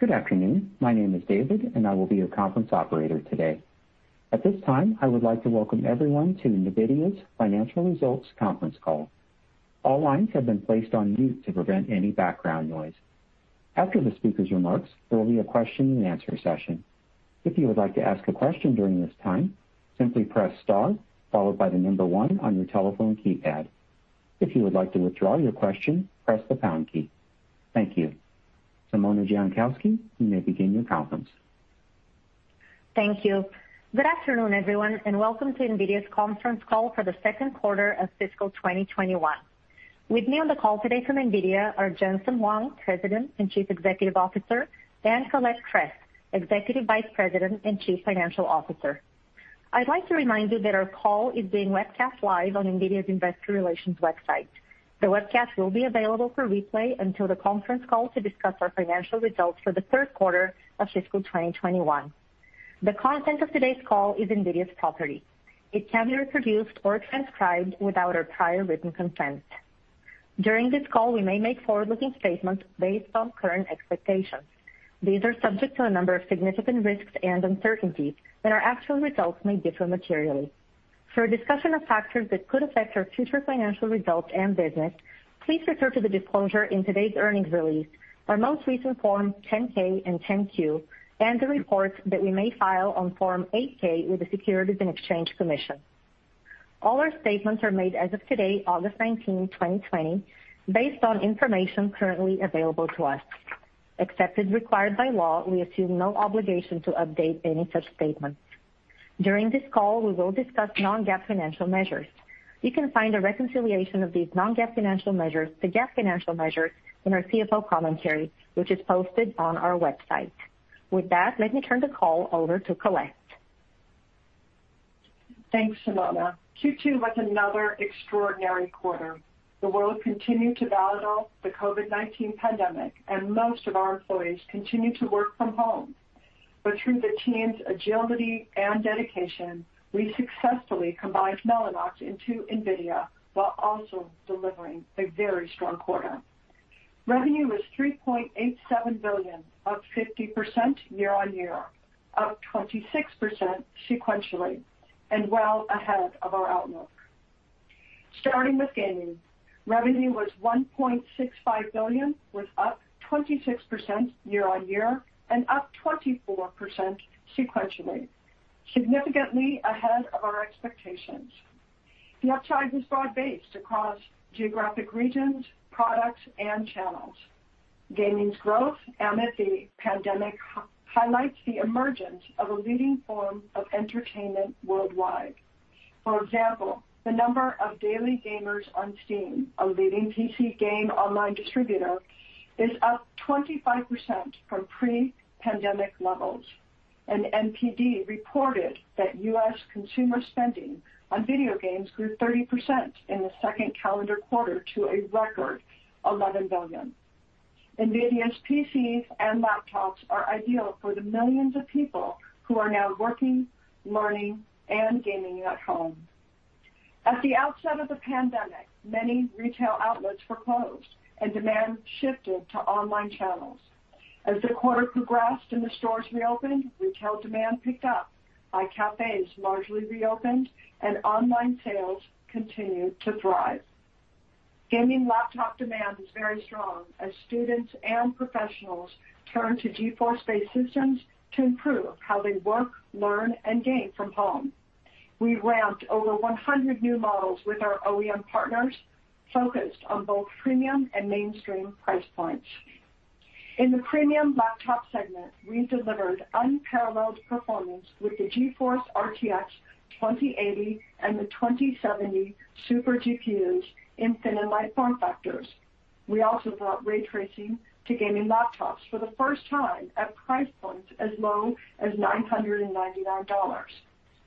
Good afternoon. My name is David, and I will be your conference operator today. At this time, I would like to welcome everyone to NVIDIA's Financial Results conference call. All lines have been placed on mute to prevent any background noise. After the speaker's remarks, there will be a question-and-answer session. If you would like to ask a question during this time, simply press star followed by the number one on your telephone keypad. If you would like to withdraw your question, press the pound key. Thank you. Simona Jankowski, you may begin your conference. Thank you. Good afternoon, everyone, and welcome to NVIDIA's conference call for the second quarter of fiscal 2021. With me on the call today from NVIDIA are Jensen Huang, President and Chief Executive Officer, and Colette Kress, Executive Vice President and Chief Financial Officer. I'd like to remind you that our call is being webcast live on NVIDIA's investor relations website. The webcast will be available for replay until the conference call to discuss our financial results for the third quarter of fiscal 2021. The content of today's call is NVIDIA's property. It cannot be reproduced or transcribed without our prior written consent. During this call, we may make forward-looking statements based on current expectations. These are subject to a number of significant risks and uncertainties. Our actual results may differ materially. For a discussion of factors that could affect our future financial results and business, please refer to the disclosure in today's earnings release, our most recent Forms 10-K and 10-Q, and the reports that we may file on Form 8-K with the Securities and Exchange Commission. All our statements are made as of today, August 19th, 2020, based on information currently available to us. Except as required by law, we assume no obligation to update any such statements. During this call, we will discuss non-GAAP financial measures. You can find a reconciliation of these non-GAAP financial measures to GAAP financial measures in our CFO commentary, which is posted on our website. With that, let me turn the call over to Colette. Thanks, Simona. Q2 was another extraordinary quarter. The world continued to battle the COVID-19 pandemic, most of our employees continued to work from home. Through the team's agility and dedication, we successfully combined Mellanox into NVIDIA while also delivering a very strong quarter. Revenue was $3.87 billion, up 50% year-on-year, up 26% sequentially, well ahead of our outlook. Starting with gaming, revenue was $1.65 billion, was up 26% year-on-year, up 24% sequentially, significantly ahead of our expectations. The upside was broad-based across geographic regions, products, and channels. Gaming's growth amid the pandemic highlights the emergence of a leading form of entertainment worldwide. For example, the number of daily gamers on Steam, a leading PC game online distributor, is up 25% from pre-pandemic levels. NPD reported that U.S. consumer spending on video games grew 30% in the second calendar quarter to a record $11 billion. NVIDIA's PCs and laptops are ideal for the millions of people who are now working, learning, and gaming at home. At the outset of the pandemic, many retail outlets were closed, and demand shifted to online channels. As the quarter progressed and the stores reopened, retail demand picked up. iCafes largely reopened, and online sales continued to thrive. Gaming laptop demand is very strong as students and professionals turn to GeForce-based systems to improve how they work, learn, and game from home. We ramped over 100 new models with our OEM partners, focused on both premium and mainstream price points. In the premium laptop segment, we delivered unparalleled performance with the GeForce RTX 2080 and the 2070 Super GPUs in thin and light form factors. We also brought ray tracing to gaming laptops for the first time at price points as low as $999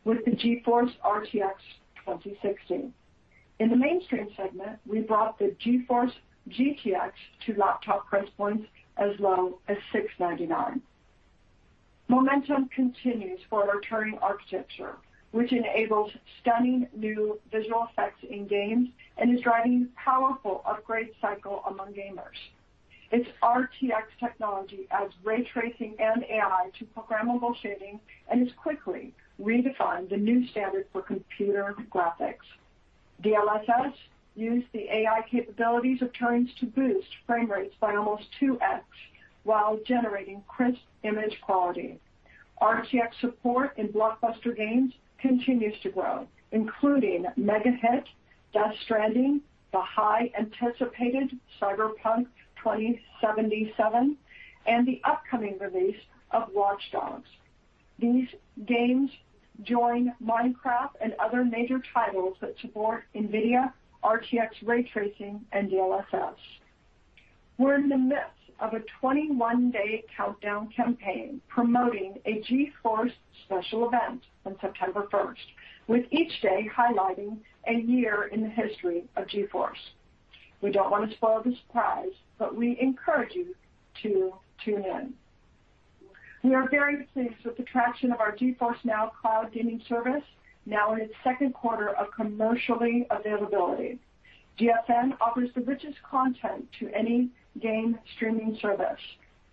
with the GeForce RTX 2060. In the mainstream segment, we brought the GeForce GTX to laptop price points as low as $699. Momentum continues for our Turing architecture, which enables stunning new visual effects in games and is driving powerful upgrade cycle among gamers. Its RTX technology adds ray tracing and AI to programmable shading and has quickly redefined the new standard for computer graphics. DLSS use the AI capabilities of Turing to boost frame rates by almost 2x while generating crisp image quality. RTX support in blockbuster games continues to grow, including mega hit Death Stranding, the high anticipated Cyberpunk 2077, and the upcoming release of Watch Dogs. These games join Minecraft and other major titles that support NVIDIA RTX ray tracing and DLSS. We're in the midst of a 21-day countdown campaign promoting a GeForce special event on September 1st, with each day highlighting a year in the history of GeForce. We don't wanna spoil the surprise, but we encourage you to tune in. We are very pleased with the traction of our GeForce NOW cloud gaming service now in its second quarter of commercial availability. GFN offers the richest content to any game streaming service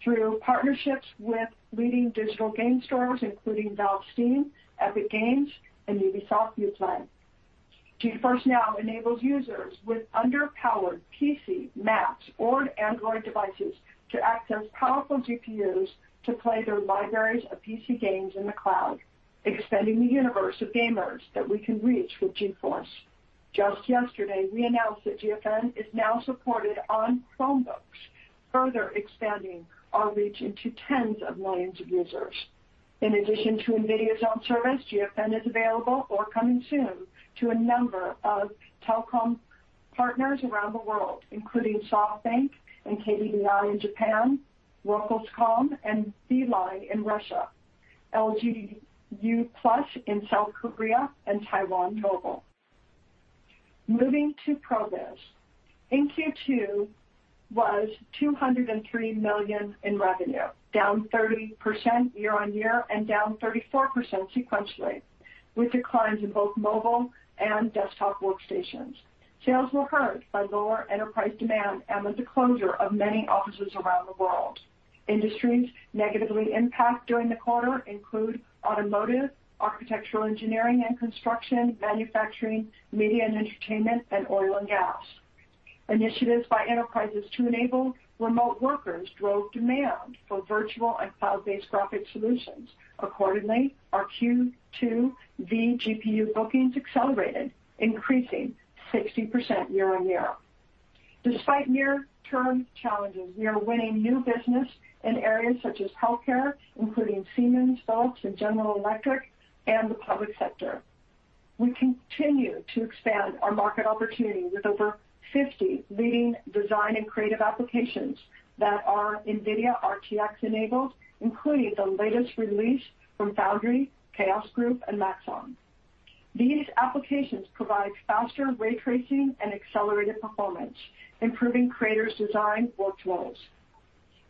through partnerships with leading digital game stores, including Valve's Steam, Epic Games, and Ubisoft's Uplay. GeForce NOW enables users with underpowered PC, Macs, or Android devices to access powerful GPUs to play their libraries of PC games in the cloud, extending the universe of gamers that we can reach with GeForce. Just yesterday, we announced that GFN is now supported on Chromebooks, further expanding our reach into tens of millions of users. In addition to NVIDIA's own service, GFN is available or coming soon to a number of telecom partners around the world, including SoftBank and KDDI in Japan, Rostelecom and Beeline in Russia, LG U+ in South Korea, and Taiwan Mobile. Moving to ProViz. In Q2 was $203 million in revenue, down 30% year-on-year and down 34% sequentially, with declines in both mobile and desktop workstations. Sales were hurt by lower enterprise demand and with the closure of many offices around the world. Industries negatively impacted during the quarter include automotive, architectural engineering and construction, manufacturing, media and entertainment, and oil and gas. Initiatives by enterprises to enable remote workers drove demand for virtual and cloud-based graphic solutions. Accordingly, our Q2 vGPU bookings accelerated, increasing 60% year-on-year. Despite near-term challenges, we are winning new business in areas such as healthcare, including Siemens Healthineers and General Electric, and the public sector. We continue to expand our market opportunity with over 50 leading design and creative applications that are NVIDIA RTX-enabled, including the latest release from Foundry, Chaos Group, and Maxon. These applications provide faster ray tracing and accelerated performance, improving creators' design workflows.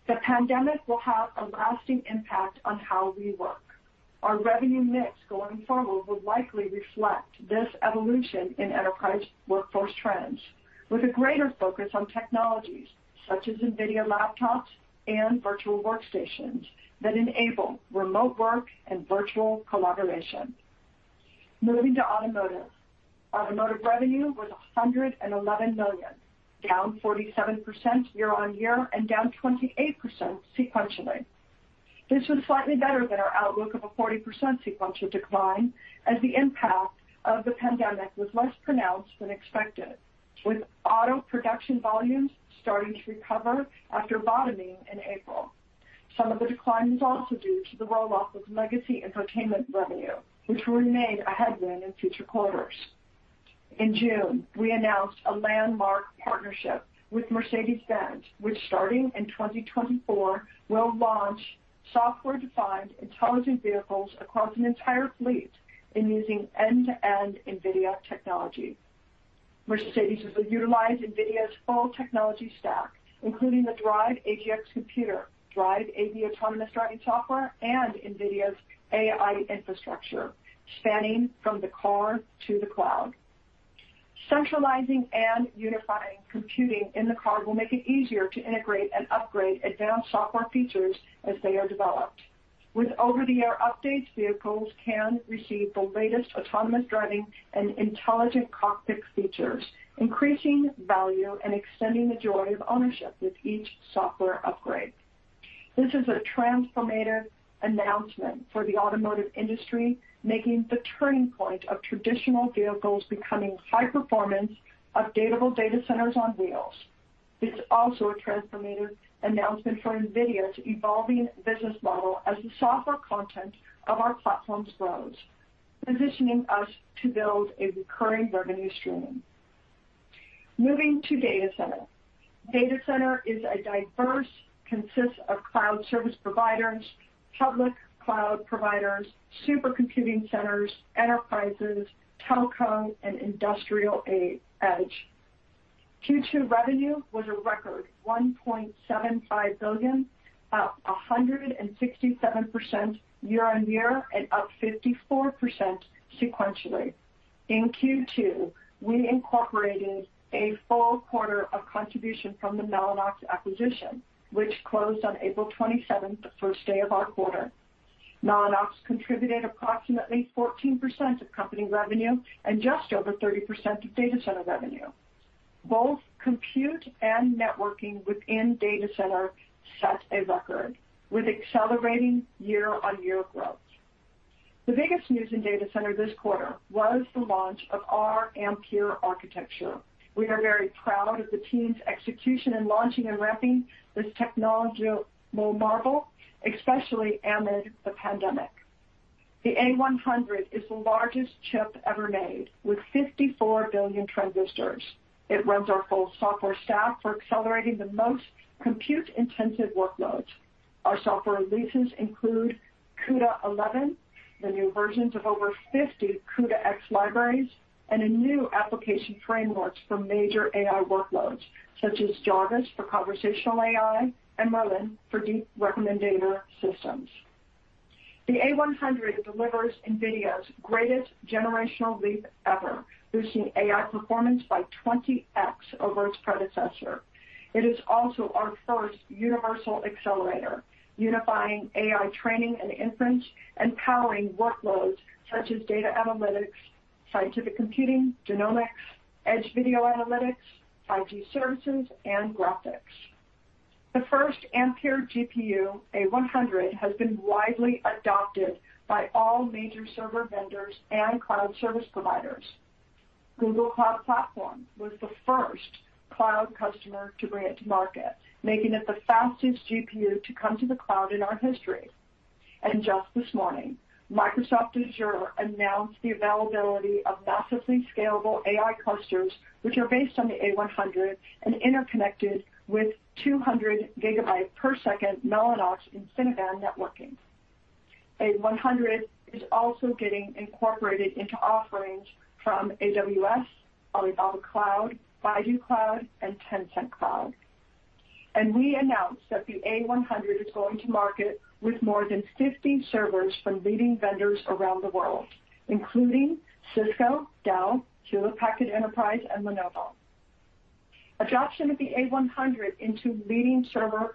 The pandemic will have a lasting impact on how we work. Our revenue mix going forward will likely reflect this evolution in enterprise workforce trends, with a greater focus on technologies such as NVIDIA Laptops and Virtual Workstations that enable remote work and virtual collaboration. Moving to automotive. Automotive revenue was $111 million, down 47% year-on-year and down 28% sequentially. This was slightly better than our outlook of a 40% sequential decline, as the impact of the pandemic was less pronounced than expected, with auto production volumes starting to recover after bottoming in April. Some of the decline was also due to the roll-off of legacy entertainment revenue, which will remain a headwind in future quarters. In June, we announced a landmark partnership with Mercedes-Benz, which starting in 2024 will launch software-defined intelligent vehicles across an entire fleet in using end-to-end NVIDIA technology. Mercedes will utilize NVIDIA's full technology stack, including the DRIVE AGX computer, DRIVE AV autonomous driving software, and NVIDIA's AI infrastructure spanning from the car to the cloud. Centralizing and unifying computing in the car will make it easier to integrate and upgrade advanced software features as they are developed. With over-the-air updates, vehicles can receive the latest autonomous driving and intelligent cockpit features, increasing value and extending the joy of ownership with each software upgrade. This is a transformative announcement for the automotive industry, making the turning point of traditional vehicles becoming high-performance, updatable data centers on wheels. It's also a transformative announcement for NVIDIA's evolving business model as the software content of our platforms grows, positioning us to build a recurring revenue stream. Moving to Data Center. Data Center consists of cloud service providers, public cloud providers, supercomputing centers, enterprises, telecom, and industrial edge. Q2 revenue was a record $1.75 billion, up 167% year-on-year and up 54% sequentially. In Q2, we incorporated a full quarter of contribution from the Mellanox acquisition, which closed on April 27th, the first day of our quarter. Mellanox contributed approximately 14% of company revenue and just over 30% of data center revenue. Both compute and networking within data center set a record with accelerating year-on-year growth. The biggest news in data center this quarter was the launch of our Ampere architecture. We are very proud of the team's execution in launching and ramping this technological marvel, especially amid the pandemic. The A100 is the largest chip ever made with 54 billion transistors. It runs our full software stack for accelerating the most compute-intensive workloads. Our software releases include CUDA 11, the new versions of over 50 CUDA-X libraries, and new application frameworks for major AI workloads such as Jarvis for conversational AI and Merlin for deep recommender systems. The A100 delivers NVIDIA's greatest generational leap ever, boosting AI performance by 20x over its predecessor. It is also our first universal accelerator, unifying AI training and inference and powering workloads such as data analytics, scientific computing, genomics, edge video analytics, 5G services and graphics. The first Ampere GPU A100 has been widely adopted by all major server vendors and cloud service providers. Google Cloud Platform was the first cloud customer to bring it to market, making it the fastest GPU to come to the cloud in our history. Just this morning, Microsoft Azure announced the availability of massively scalable AI clusters, which are based on the A100 and interconnected with 200 Gbps Mellanox InfiniBand networking. A100 is also getting incorporated into offerings from AWS, Alibaba Cloud, Baidu Cloud, and Tencent Cloud. We announced that the A100 is going to market with more than 50 servers from leading vendors around the world, including Cisco, Dell, Hewlett Packard Enterprise, and Lenovo. Adoption of the A100 into leading server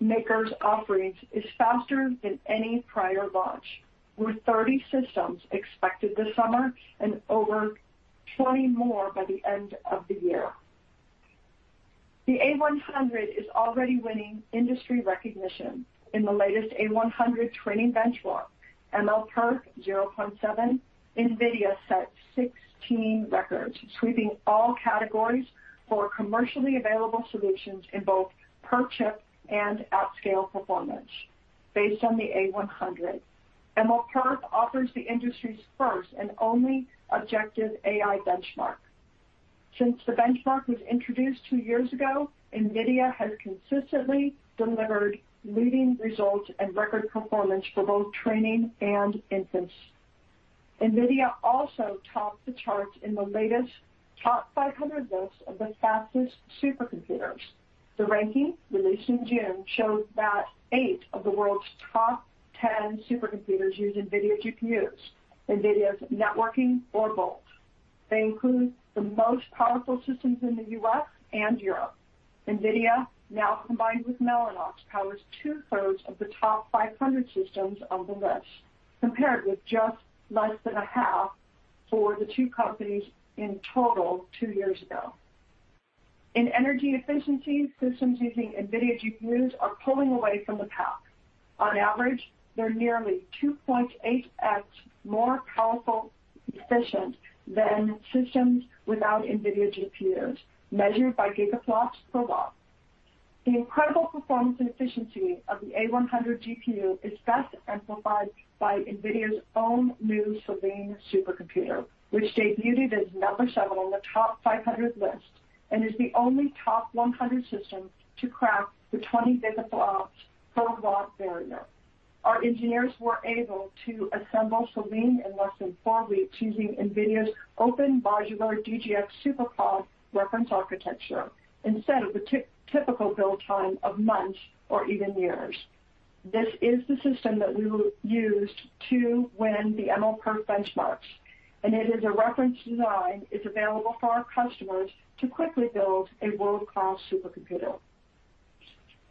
makers offerings is faster than any prior launch, with 30 systems expected this summer and over 20 more by the end of the year. The A100 is already winning industry recognition. In the latest A100 training benchmark, MLPerf 0.7, NVIDIA set 16 records, sweeping all categories for commercially available solutions in both per chip and at scale performance based on the A100. MLPerf offers the industry's first and only objective AI benchmark. Since the benchmark was introduced two years ago, NVIDIA has consistently delivered leading results and record performance for both training and inference. NVIDIA also topped the charts in the latest TOP500 list of the fastest supercomputers. The ranking, released in June, shows that eight of the world's top 10 supercomputers use NVIDIA GPUs, NVIDIA's networking or both. They include the most powerful systems in the U.S. and Europe. NVIDIA, now combined with Mellanox, powers 2/3 of the top 500 systems on the list, compared with just less than a half for the two companies in total two years ago. In energy efficiency, systems using NVIDIA GPUs are pulling away from the pack. On average, they're nearly 2.8x more powerful efficient than systems without NVIDIA GPUs, measured by gigaflops per watt. The incredible performance and efficiency of the A100 GPU is best amplified by NVIDIA's own new Selene supercomputer, which debuted as number seven on the top 500 list and is the only top 100 system to crack the 20 gigaflops per watt barrier. Our engineers were able to assemble Selene in less than four weeks using NVIDIA's open modular DGX SuperPOD reference architecture instead of the typical build time of months or even years. This is the system that we will use to win the MLPerf benchmarks. It is a reference design. It's available for our customers to quickly build a world-class supercomputer.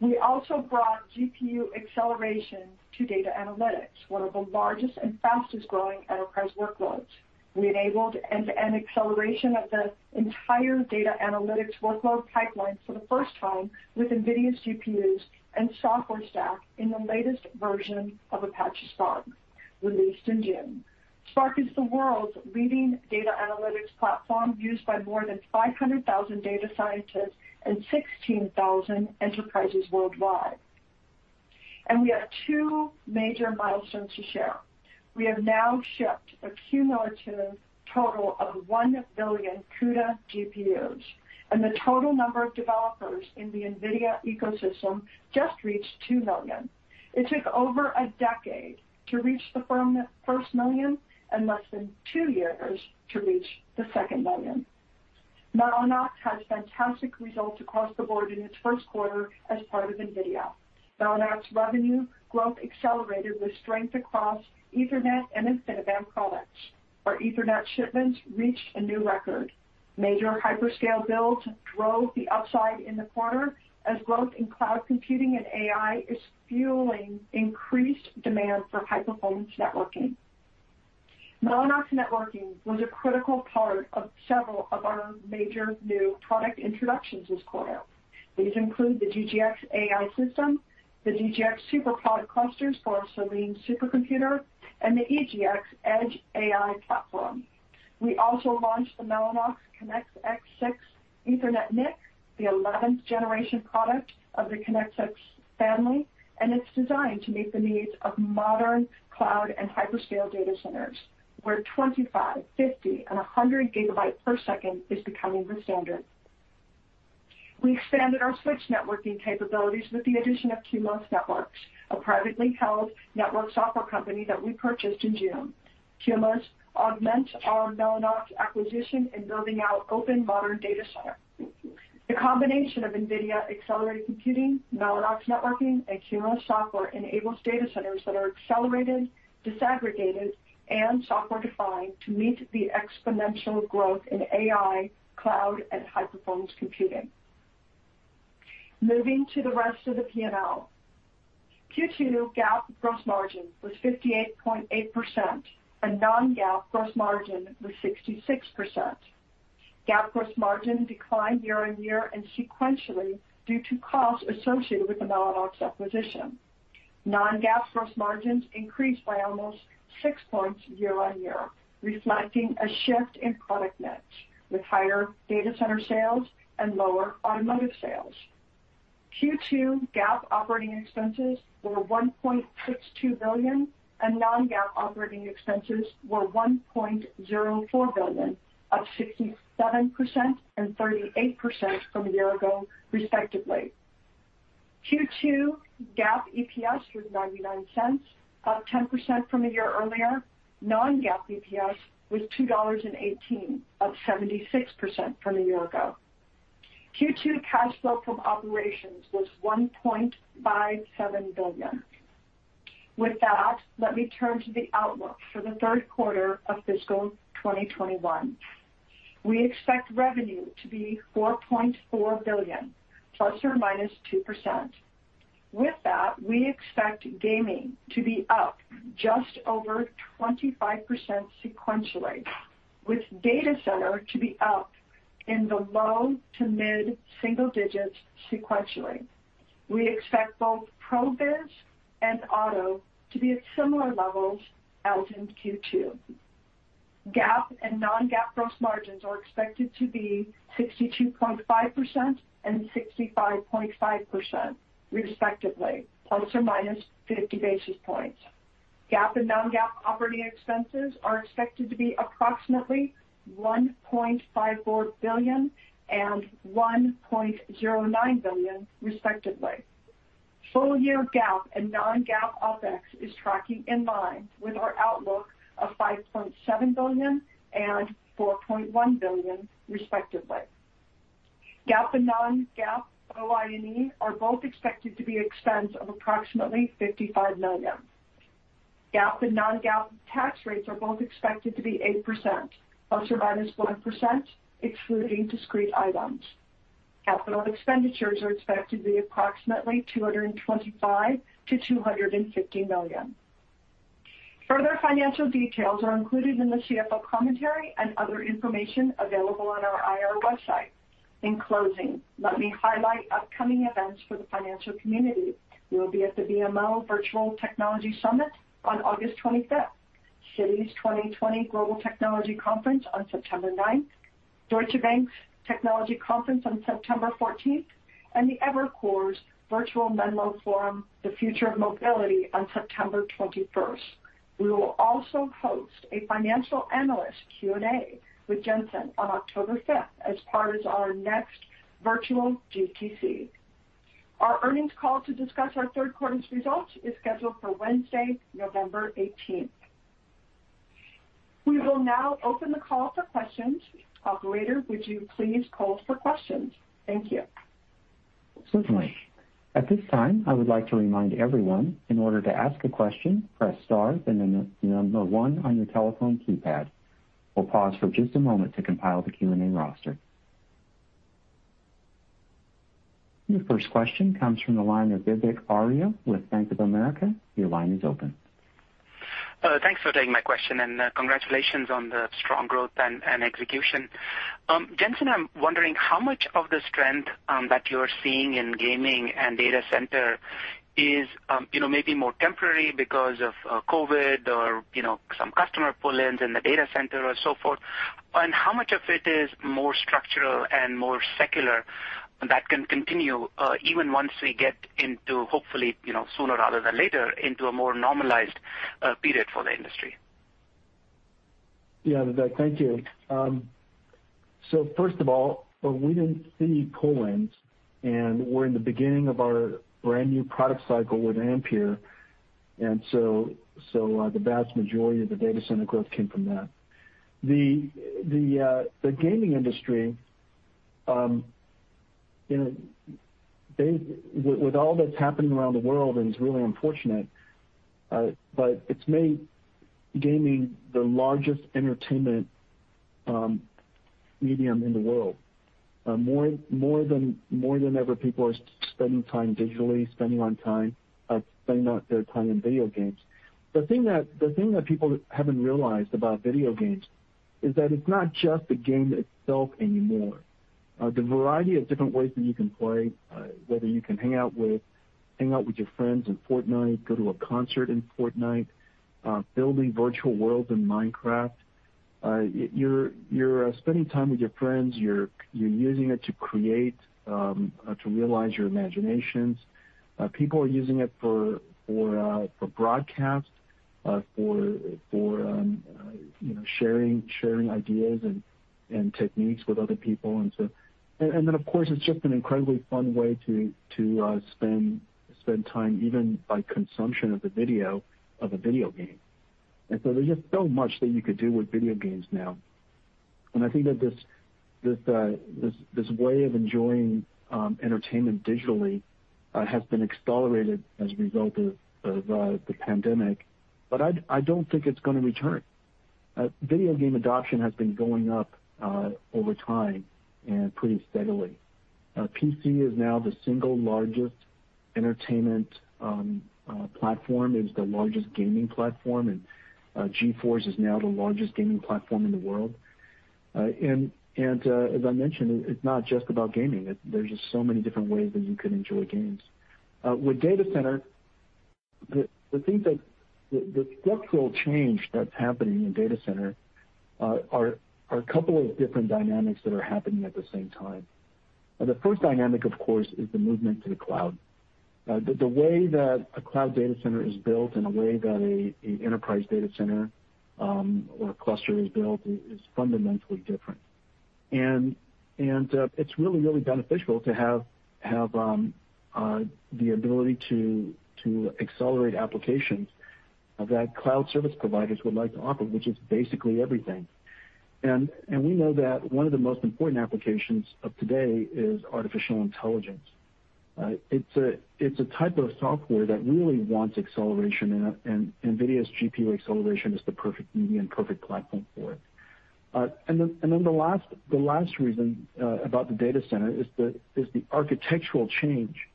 We also brought GPU acceleration to data analytics, one of the largest and fastest growing enterprise workloads. We enabled end-to-end acceleration of the entire data analytics workload pipeline for the first time with NVIDIA's GPUs and software stack in the latest version of Apache Spark released in June. Spark is the world's leading data analytics platform used by more than 500,000 data scientists and 16,000 enterprises worldwide. We have two major milestones to share. We have now shipped a cumulative total of 1 billion CUDA GPUs, and the total number of developers in the NVIDIA ecosystem just reached 2 million. It took over a decade to reach 1 million and less than two years to reach the 2 million. Mellanox had fantastic results across the board in its first quarter as part of NVIDIA. Mellanox revenue growth accelerated with strength across Ethernet and InfiniBand products. Our Ethernet shipments reached a new record. Major hyperscale builds drove the upside in the quarter, as growth in cloud computing and AI is fueling increased demand for high-performance networking. Mellanox networking was a critical part of several of our major new product introductions this quarter. These include the DGX AI system, the DGX SuperPOD clusters for our Selene supercomputer, and the EGX Edge AI platform. We also launched the Mellanox ConnectX-6 Ethernet NIC, the 11th-generation product of the ConnectX family, and it's designed to meet the needs of modern cloud and hyperscale data centers, where 25, 50, and 100 Gbps is becoming the standard. We expanded our switch networking capabilities with the addition of Cumulus Networks, a privately held network software company that we purchased in June. Cumulus augment our Mellanox acquisition in building out open modern data center. The combination of NVIDIA accelerated computing, Mellanox networking, and Cumulus software enables data centers that are accelerated, disaggregated, and software defined to meet the exponential growth in AI, cloud, and high performance computing. Moving to the rest of the P&L. Q2 GAAP gross margin was 58.8%, and non-GAAP gross margin was 66%. GAAP gross margin declined year-on-year and sequentially due to costs associated with the Mellanox acquisition. Non-GAAP gross margins increased by almost 6 points year-on-year, reflecting a shift in product mix with higher data center sales and lower automotive sales. Q2 GAAP operating expenses were $1.62 billion, and non-GAAP operating expenses were $1.04 billion, up 67% and 38% from a year ago, respectively. Q2 GAAP EPS was $0.99, up 10% from a year earlier. Non-GAAP EPS was $2.18, up 76% from a year ago. Q2 cash flow from operations was $1.57 billion. With that, let me turn to the outlook for the third quarter of fiscal 2021. We expect revenue to be $4.4 billion, ±2%. With that, we expect gaming to be up just over 25% sequentially, with data center to be up in the low to mid-single digits sequentially. We expect both ProViz and Auto to be at similar levels as in Q2. GAAP and non-GAAP gross margins are expected to be 62.5% and 65.5% respectively, ±50 basis points. GAAP and non-GAAP operating expenses are expected to be approximately $1.54 billion and $1.09 billion, respectively. Full year GAAP and non-GAAP OpEx is tracking in line with our outlook of $5.7 billion and $4.1 billion, respectively. GAAP and non-GAAP OI&E are both expected to be expense of approximately $55 million. GAAP and non-GAAP tax rates are both expected to be 8%, ±1%, excluding discrete items. Capital expenditures are expected to be approximately $225 million-$250 million. Further financial details are included in the CFO commentary and other information available on our IR website. In closing, let me highlight upcoming events for the financial community. We will be at the BMO Virtual Technology Summit on August 25th, Citi's 2020 Global Technology Conference on September 9th, Deutsche Bank's Technology Conference on September 14th, and the Evercore's Virtual Menlo Forum, The Future of Mobility, on September 21st. We will also host a financial analyst Q&A with Jensen on October 5th as part of our next virtual GTC. Our earnings call to discuss our third quarter's results is scheduled for Wednesday, November 18th. We will now open the call for questions. Operator, would you please call for questions? Thank you. Certainly. At this time, I would like to remind everyone, in order to ask a question, press star, then the number one on your telephone keypad. We'll pause for just a moment to compile the Q&A roster. Your first question comes from the line of Vivek Arya with Bank of America. Your line is open. Thanks for taking my question, and congratulations on the strong growth and execution. Jensen, I'm wondering how much of the strength that you're seeing in gaming and data center is, you know, maybe more temporary because of COVID or, you know, some customer pull-ins in the data center or so forth? How much of it is more structural and more secular that can continue, even once we get into, hopefully, you know, sooner rather than later, into a more normalized period for the industry? Yeah, Vivek, thank you. First of all, we didn't see pull-ins. We're in the beginning of our brand-new product cycle with Ampere. The vast majority of the data center growth came from that. The gaming industry, you know, with all that's happening around the world, and it's really unfortunate, but it's made gaming the largest entertainment medium in the world. More than ever, people are spending time digitally, spending on time, spending out their time in video games. The thing that people haven't realized about video games is that it's not just the game itself anymore. The variety of different ways that you can play, whether you can hang out with your friends in Fortnite, go to a concert in Fortnite, you're spending time with your friends. You're using it to create to realize your imaginations. People are using it for broadcasts. For, you know, sharing ideas and techniques with other people. Then, of course, it's just an incredibly fun way to spend time even by consumption of a video game. There's just so much that you could do with video games now. I think that this way of enjoying entertainment digitally has been accelerated as a result of the pandemic. I don't think it's going to return. Video game adoption has been going up over time and pretty steadily. PC is now the single largest entertainment platform. It is the largest gaming platform, and GeForce is now the largest gaming platform in the world. As I mentioned, it's not just about gaming. There's just so many different ways that you can enjoy games. With data center, the things that the structural change that's happening in data center are a couple of different dynamics that are happening at the same time. The first dynamic, of course, is the movement to the cloud. The way that a cloud data center is built and the way that a enterprise data center or cluster is built is fundamentally different. It's really beneficial to have the ability to accelerate applications that cloud service providers would like to offer, which is basically everything. We know that one of the most important applications of today is artificial intelligence. It's a type of software that really wants acceleration, and NVIDIA's GPU acceleration is the perfect medium, perfect platform for it. The last reason about the data center is the architectural change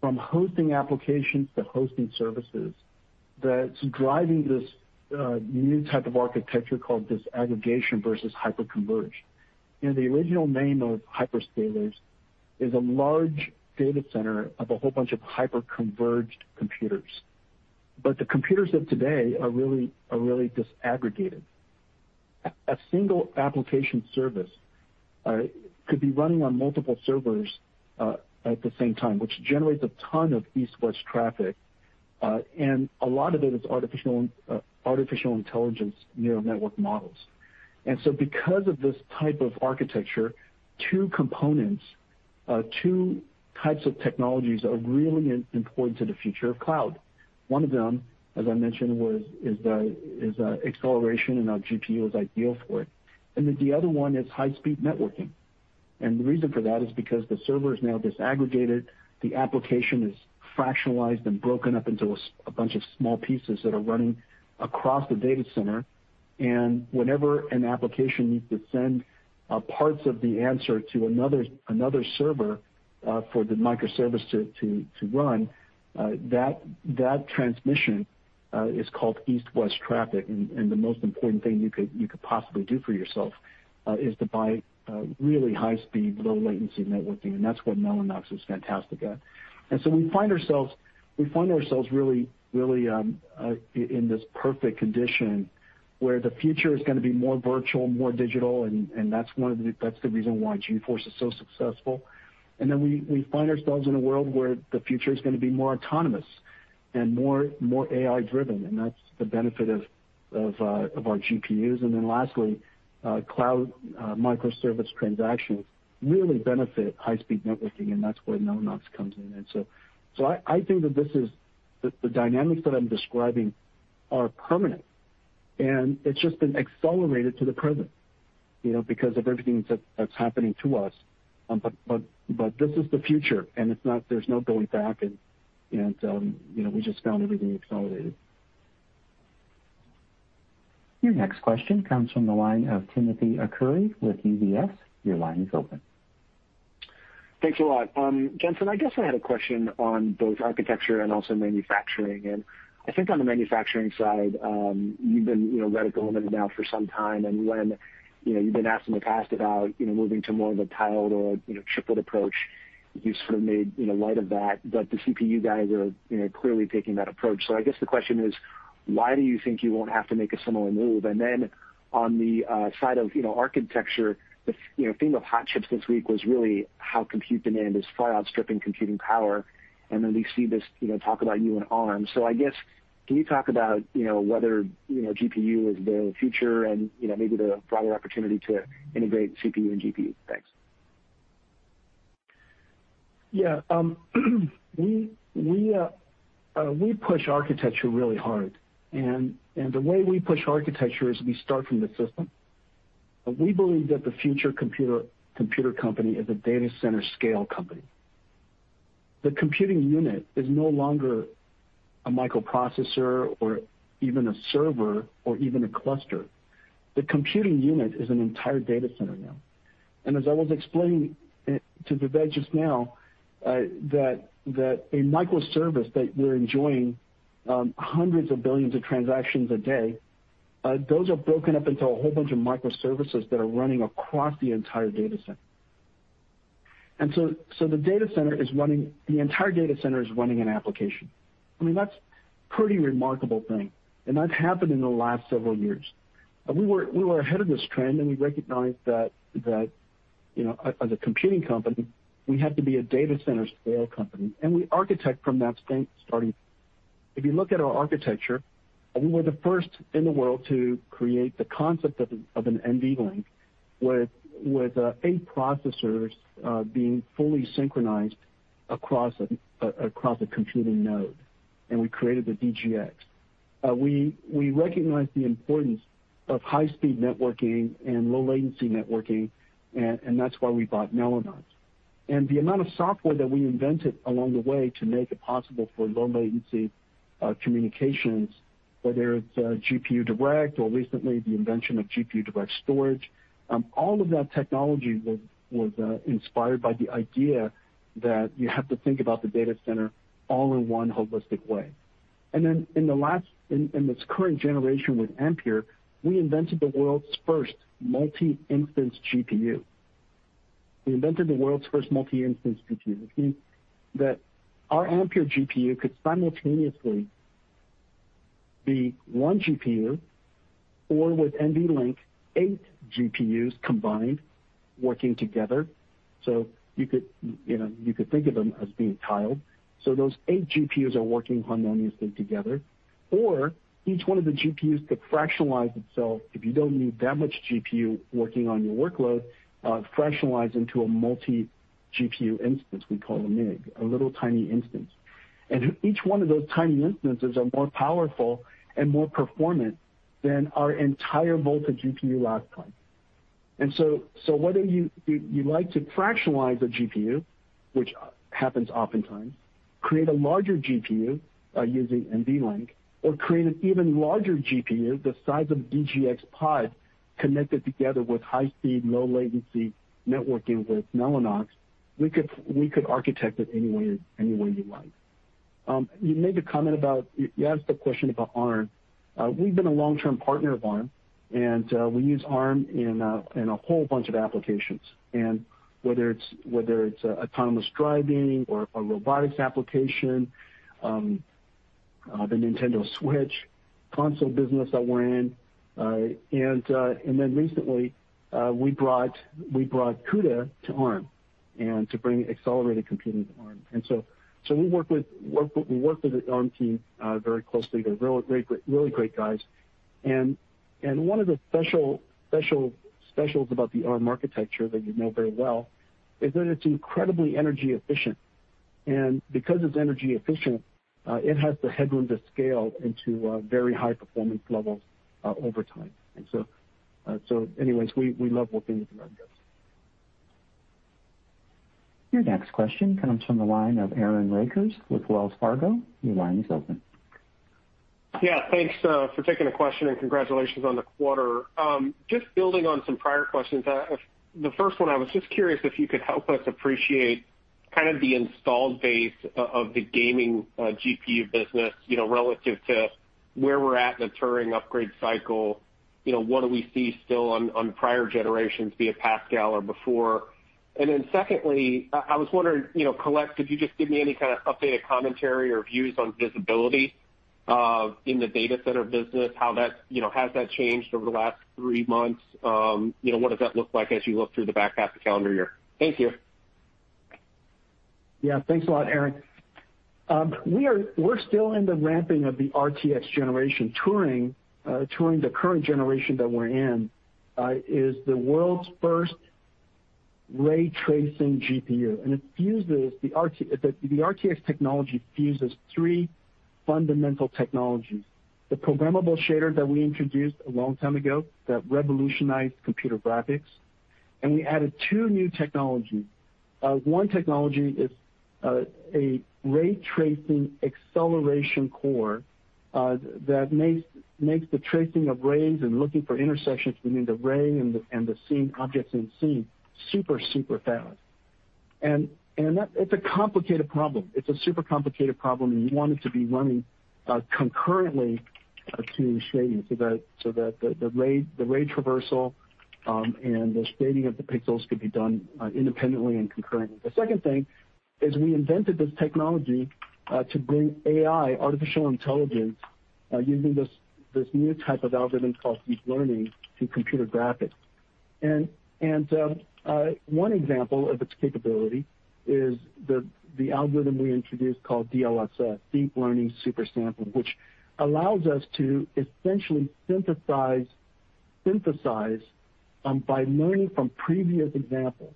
from hosting applications to hosting services that's driving this new type of architecture called disaggregation versus hyperconverged. You know, the original name of hyperscalers is a large data center of a whole bunch of hyperconverged computers. The computers of today are really disaggregated. A single application service could be running on multiple servers at the same time, which generates a ton of east-west traffic, and a lot of it is artificial intelligence neural network models. Because of this type of architecture, two components, two types of technologies are really important to the future of cloud. One of them, as I mentioned, was, is acceleration, and our GPU is ideal for it. The other one is high-speed networking, and the reason for that is because the server is now disaggregated. The application is fractionalized and broken up into a bunch of small pieces that are running across the data center. Whenever an application needs to send parts of the answer to another server for the microservice to run, that transmission is called east-west traffic. The most important thing you could possibly do for yourself is to buy really high speed, low latency networking, and that's what Mellanox is fantastic at. We find ourselves really, really in this perfect condition where the future is gonna be more virtual, more digital, and That's the reason why GeForce is so successful. We find ourselves in a world where the future is gonna be more autonomous and more AI-driven, and that's the benefit of our GPUs. Lastly, cloud microservice transactions really benefit high-speed networking, and that's where Mellanox comes in. I think that this is the dynamics that I'm describing are permanent, and it's just been accelerated to the present, you know, because of everything that's happening to us. This is the future, and there's no going back. You know, we just found everything accelerated. Your next question comes from the line of Timothy Arcuri with UBS. Your line is open. Thanks a lot. Jensen, I guess I had a question on both architecture and also manufacturing. I think on the manufacturing side, you've been, you know, reticent on it now for some time. When, you know, you've been asked in the past about, you know, moving to more of a tiled or, you know, chiplet approach, you've sort of made, you know, light of that. The CPU guys are, you know, clearly taking that approach. I guess the question is, why do you think you won't have to make a similar move? Then on the side of, you know, architecture, the, you know, theme of Hot Chips this week was really how compute demand is far outstripping computing power, then we see this, you know, talk about you and Arm. I guess, can you talk about, you know, whether, you know, GPU is the future and, you know, maybe the broader opportunity to integrate CPU and GPU? Thanks. Yeah. We push architecture really hard. The way we push architecture is we start from the system. We believe that the future computer company is a data center scale company. The computing unit is no longer a microprocessor or even a server or even a cluster. The computing unit is an entire data center now. As I was explaining to Vivek just now, a microservice that we're enjoying hundreds of billions of transactions a day, those are broken up into a whole bunch of microservices that are running across the entire data center. The entire data center is running an application. I mean, that's pretty remarkable thing, and that's happened in the last several years. We were ahead of this trend, and we recognized that, you know, as a computing company, we had to be a data center scale company, and we architect from that standpoint starting. If you look at our architecture, we were the first in the world to create the concept of an NVLink with eight processors being fully synchronized across a computing node. We created the DGX. We recognized the importance of high-speed networking and low latency networking, and that's why we bought Mellanox. The amount of software that we invented along the way to make it possible for low latency communications, whether it's GPUDirect or recently the invention of GPUDirect Storage, all of that technology was inspired by the idea that you have to think about the data center all in one holistic way. In this current generation with Ampere, we invented the world's first Multi-Instance GPU, which means that our Ampere GPU could simultaneously be one GPU or with NVLink, eight GPUs combined working together. You know, you could think of them as being tiled. Those eight GPUs are working harmoniously together. Each one of the GPUs could fractionalize itself. If you don't need that much GPU working on your workload, fractionalize into a multi-GPU instance, we call them MIG, a little, tiny instance. Each one of those tiny instances are more powerful and more performant than our entire Volta GPU last time. Whether you like to fractionalize a GPU, which happens oftentimes, create a larger GPU using NVLink, or create an even larger GPU the size of DGX SuperPOD connected together with high speed, low latency networking with Mellanox, we could architect it any way you like. You made the comment about you asked a question about Arm. We've been a long-term partner of Arm, we use Arm in a whole bunch of applications. Whether it's autonomous driving or a robotics application, the Nintendo Switch console business that we're in, then recently, we brought CUDA to Arm and to bring accelerated computing to Arm. So we work with the Arm team very closely. They're real great, really great guys. One of the specials about the Arm architecture that you know very well is that it's incredibly energy efficient. Because it's energy efficient, it has the headroom to scale into very high performance levels over time. So anyways, we love working with Arm, yes. Your next question comes from the line of Aaron Rakers with Wells Fargo. Your line is open. Thanks for taking the question and congratulations on the quarter. Just building on some prior questions. The first one, I was just curious if you could help us appreciate kind of the installed base of the gaming GPU business, you know, relative to where we're at in the Turing upgrade cycle. You know, what do we see still on prior generations, be it Pascal or before? Secondly, I was wondering, you know, Colette, could you just give me any kind of updated commentary or views on visibility in the data center business? You know, has that changed over the last three months? You know, what does that look like as you look through the back half of the calendar year? Thank you. Yeah. Thanks a lot, Aaron. We're still in the ramping of the RTX generation. Turing, the current generation that we're in, is the world's first ray tracing GPU. The RTX technology fuses three fundamental technologies. The programmable shader that we introduced a long time ago that revolutionized computer graphics. We added two new technologies. One technology is a ray tracing acceleration core that makes the tracing of rays and looking for intersections between the ray and the scene, objects in scene super fast. That-- it's a complicated problem. It's a super complicated problem. You want it to be running concurrently to shading so that the ray traversal and the shading of the pixels could be done independently and concurrently. The second thing is we invented this technology to bring AI, artificial intelligence, using this new type of algorithm called deep learning to computer graphics. One example of its capability is the algorithm we introduced called DLSS, Deep Learning Super Sampling, which allows us to essentially synthesize by learning from previous examples.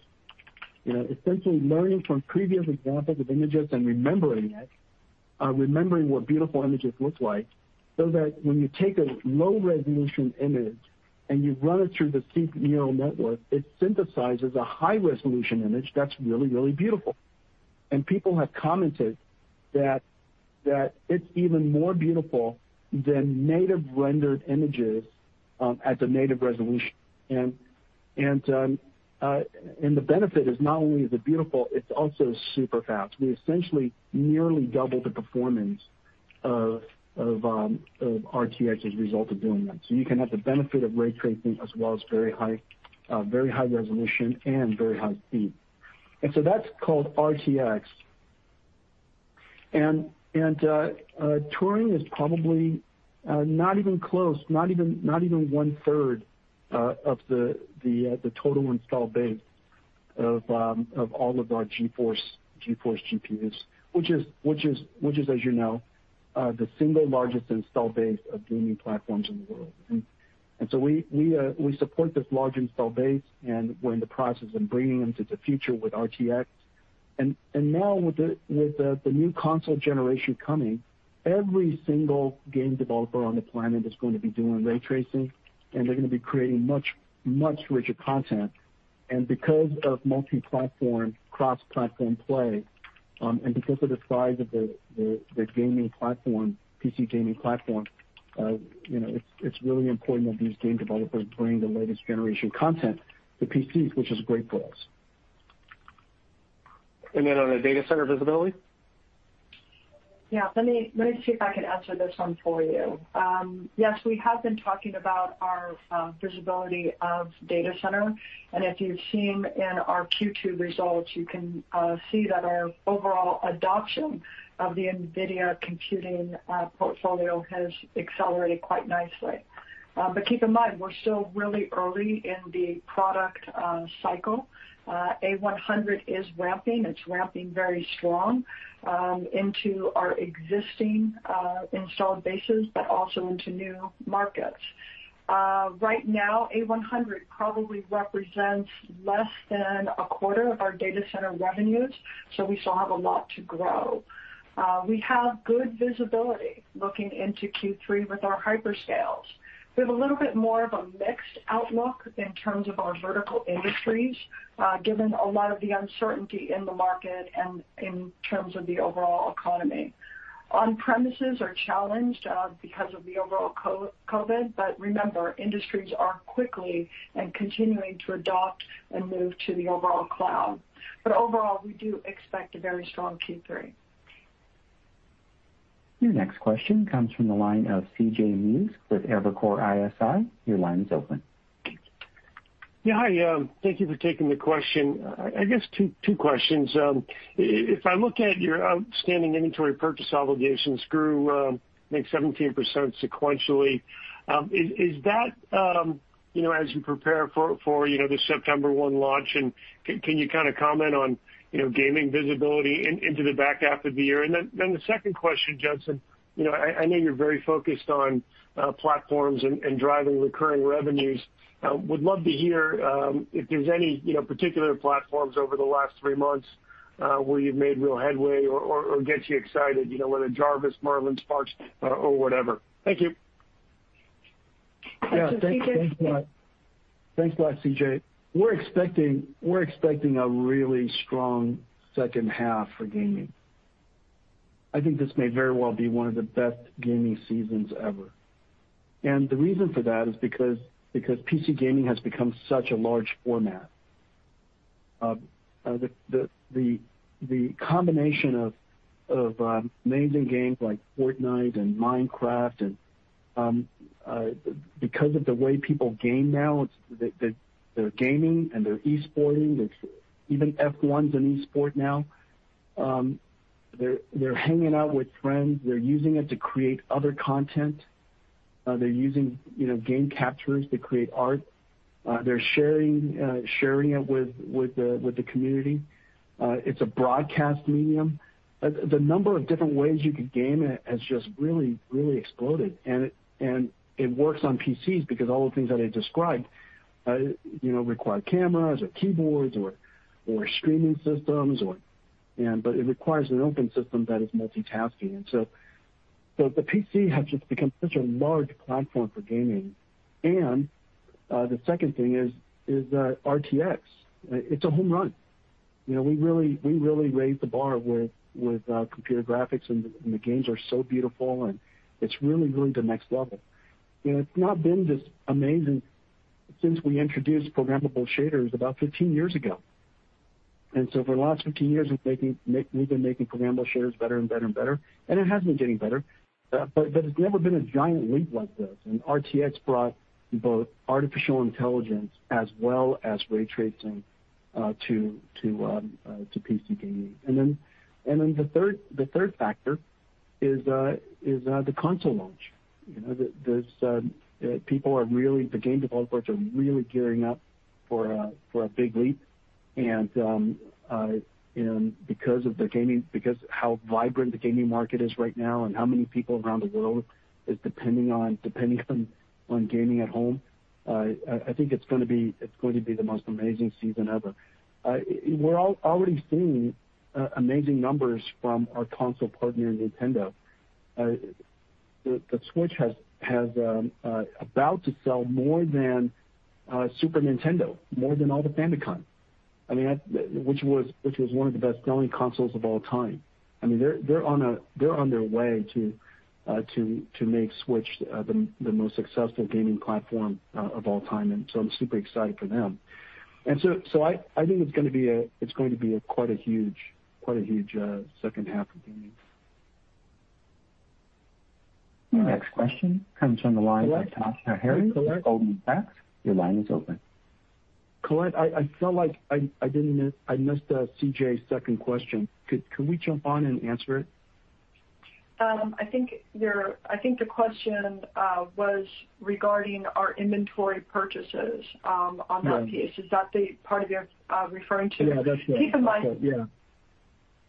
You know, essentially learning from previous examples of images and remembering it, remembering what beautiful images look like, so that when you take a low-resolution image and you run it through the deep neural network, it synthesizes a high-resolution image that's really, really beautiful. People have commented that it's even more beautiful than native rendered images at the native resolution. The benefit is not only is it beautiful, it's also super fast. We essentially nearly double the performance of RTX as a result of doing that. You can have the benefit of ray tracing as well as very high, very high resolution and very high speed. That's called RTX. Turing is probably not even close, not even one third, of the total install base of all of our GeForce GPUs, which is as you know, the single largest install base of gaming platforms in the world. We support this large install base, and we're in the process of bringing them to the future with RTX. Now with the new console generation coming, every single game developer on the planet is going to be doing ray tracing, they're gonna be creating much richer content. Because of multi-platform, cross-platform play, and because of the size of the gaming platform, PC gaming platform, you know, it's really important that these game developers bring the latest generation content to PCs, which is great for us. On the data center visibility? Let me see if I can answer this one for you. Yes, we have been talking about our visibility of data center. If you've seen in our Q2 results, you can see that our overall adoption of the NVIDIA computing portfolio has accelerated quite nicely. Keep in mind, we're still really early in the product cycle. A100 is ramping. It's ramping very strong into our existing installed bases but also into new markets. Right now, A100 probably represents less than a quarter of our data center revenues, we still have a lot to grow. We have good visibility looking into Q3 with our hyperscales. We have a little bit more of a mixed outlook in terms of our vertical industries, given a lot of the uncertainty in the market and in terms of the overall economy. On-premises are challenged, because of the overall COVID-19, but remember, industries are quickly and continuing to adopt and move to the overall cloud. Overall, we do expect a very strong Q3. Your next question comes from the line of C.J. Muse with Evercore ISI. Your line is open. Yeah. Hi, thank you for taking the question. I guess two questions. If I look at your outstanding inventory purchase obligations grew, I think 17% sequentially, is that, you know, as you prepare for, you know, the September 1 launch, can you comment on, you know, gaming visibility into the back half of the year? Then the second question, Jensen, you know, I know you're very focused on platforms and driving recurring revenues. Would love to hear if there's any, you know, particular platforms over the last three months where you've made real headway or gets you excited, you know, whether Jarvis, Merlin, Spark, or whatever. Thank you. C.J. Thanks a lot. Thanks a lot, C.J. We're expecting a really strong second half for gaming. I think this may very well be one of the best gaming seasons ever. The reason for that is because PC gaming has become such a large format. The combination of amazing games like Fortnite and Minecraft and because of the way people game now, they're gaming and they're e-sporting. There's even F1's an esport now. They're hanging out with friends. They're using it to create other content. They're using, you know, game captures to create art. They're sharing it with the community. It's a broadcast medium. The number of different ways you could game has just really, really exploded, and it works on PCs because all the things that I described, you know, require cameras or keyboards or streaming systems or, but it requires an open system that is multitasking. The PC has just become such a large platform for gaming. The second thing is RTX. It's a home run. You know, we really raised the bar with computer graphics, and the games are so beautiful, it's really, really the next level. You know, it's not been this amazing since we introduced programmable shaders about 15 years ago. For the last 15 years, we've been making programmable shaders better and better and better, it has been getting better. It's never been a giant leap like this. I mean, RTX brought both artificial intelligence as well as ray tracing to PC gaming. Then the third factor is the console launch. You know, the game developers are really gearing up for a big leap. Because how vibrant the gaming market is right now and how many people around the world is depending on gaming at home, I think it's going to be the most amazing season ever. We're already seeing amazing numbers from our console partner, Nintendo. The Switch has about to sell more than Super Nintendo, more than all the Famicom, I mean, which was one of the best-selling consoles of all time. I mean, they're on their way to make Switch the most successful gaming platform of all time. I'm super excited for them. I think it's going to be a quite a huge second half of gaming. Your next question comes from the line of Toshiya Hari with Goldman Sachs. Your line is open. Colette, I feel like I missed C.J.'s second question. Could we jump on and answer it? I think the question was regarding our inventory purchases on that piece. Right. Is that the part of your referring to? Yeah, that's right. Keep in mind. That's it, yeah.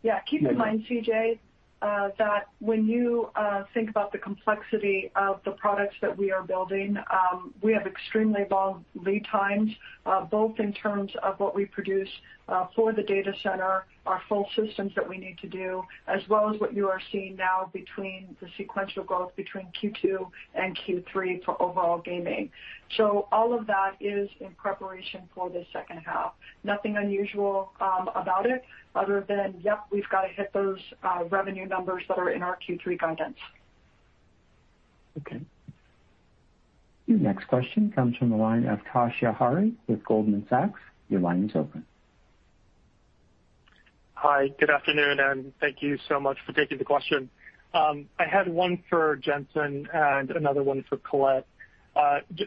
Yeah. Keep in mind, C.J., that when you think about the complexity of the products that we are building, we have extremely long lead times, both in terms of what we produce for the data center, our full systems that we need to do, as well as what you are seeing now between the sequential growth between Q2 and Q3 for overall gaming. All of that is in preparation for the second half. Nothing unusual about it other than, yep, we've got to hit those revenue numbers that are in our Q3 guidance. Okay. Your next question comes from the line of Toshiya Hari with Goldman Sachs. Your line is open. Hi. Good afternoon, and thank you so much for taking the question. I had one for Jensen and another one for Colette.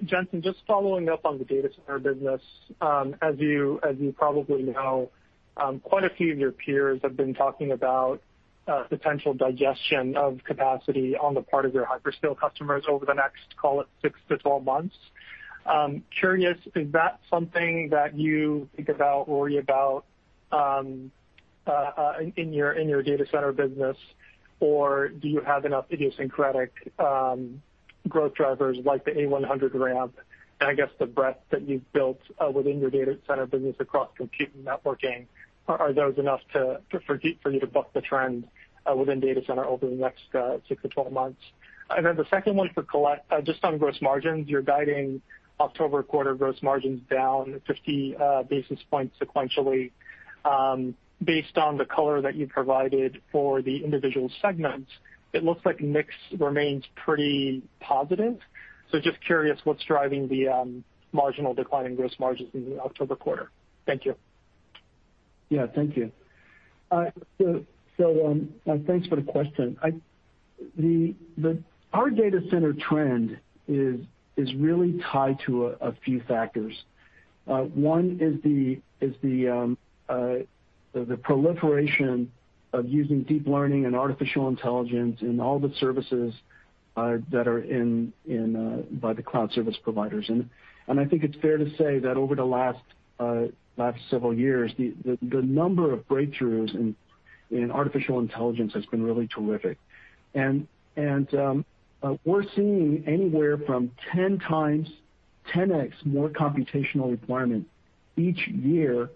Jensen, just following up on the data center business, as you, as you probably know, quite a few of your peers have been talking about potential digestion of capacity on the part of their hyperscale customers over the next, call it, six to 12 months. Curious, is that something that you think about, worry about in your data center business, or do you have enough idiosyncratic growth drivers like the A100 ramp and I guess the breadth that you've built within your data center business across compute and networking, are those enough for you to buck the trend within data center over the next six to 12 months? The second one for Colette, just on gross margins. You're guiding October quarter gross margins down 50 basis points sequentially. Based on the color that you provided for the individual segments, it looks like mix remains pretty positive. Just curious what's driving the marginal decline in gross margins in the October quarter. Thank you. Yeah, thank you. Thanks for the question. Our data center trend is really tied to a few factors. One is the proliferation of using deep learning and artificial intelligence in all the services that are in by the cloud service providers. I think it's fair to say that over the last several years, the number of breakthroughs in artificial intelligence has been really terrific. We're seeing anywhere from 10 times, 10x more computational requirement each year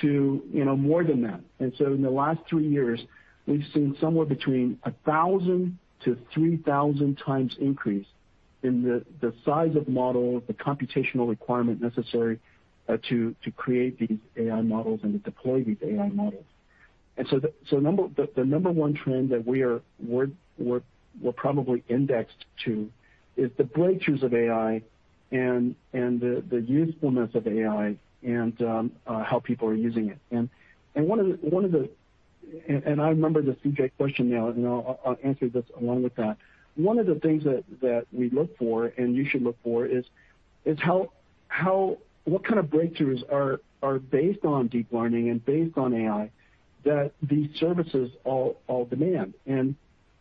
to, you know, more than that. In the last three years, we've seen somewhere between 1,000x to 3,000x increase in the size of model, the computational requirement necessary to create these AI models and to deploy these AI models. The number one trend that we are probably indexed to is the breakthroughs of AI and the usefulness of AI and how people are using it. One of the I remember the C.J. Question now, and I'll answer this along with that. One of the things that we look for and you should look for is how what kind of breakthroughs are based on deep learning and based on AI that these services all demand.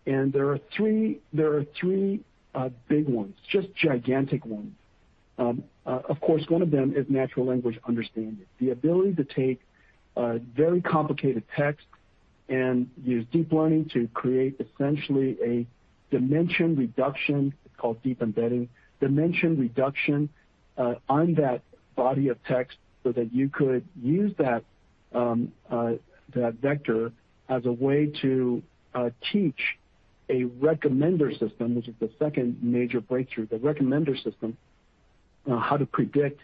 There are three big ones, just gigantic ones. Of course, one of them is natural language understanding. The ability to take very complicated text and use deep learning to create essentially a dimension reduction, called deep embedding, dimension reduction, on that body of text so that you could use that vector as a way to teach a recommender system, which is the second major breakthrough, the recommender system, on how to predict